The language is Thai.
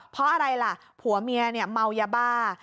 เพราะอะไรล่ะผัวเมียเนี่ยเมายาบ้า